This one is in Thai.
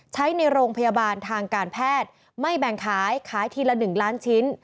ใช้ในโรงพยาบาลทางการแพทย์ไม่แบ่งขายขายทีละ๑ล้านชิ้น